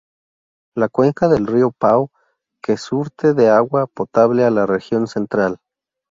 La cuenca del río Pao que surte de agua potable a la región Central.